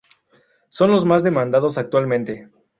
Son los más demandados actualmente.